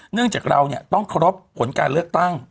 เนื่องจากเราเนี่ยต้องรับผลการเลือกตั้ง